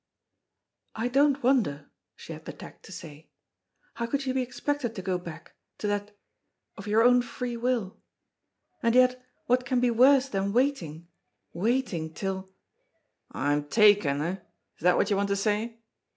"I don't wonder," she had the tact to say. "How could you be expected to go back to that of your own free will? And yet what can be worse than waiting waiting till " "I'm taken, eh? Is that what you want to say?